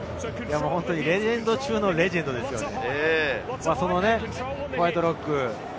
レジェンド中のレジェンドですよね、ホワイトロック。